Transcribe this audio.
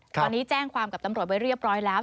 ตอนนี้แจ้งความกับตำรวจไว้เรียบร้อยแล้ว